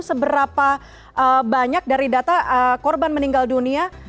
seberapa banyak dari data korban meninggal dunia